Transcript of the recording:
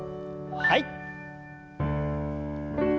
はい。